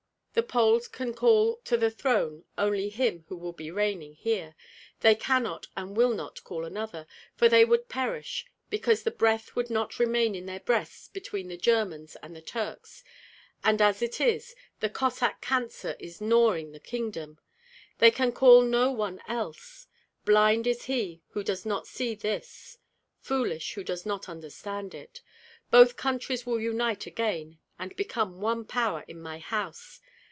The Poles can call to the throne only him who will be reigning here. They cannot and will not call another, for they would perish, because the breath would not remain in their breasts between the Germans and the Turks, and as it is, the Cossack cancer is gnawing the kingdom. They can call no one else! Blind is he who does not see this; foolish who does not understand it. Both countries will unite again and become one power in my house.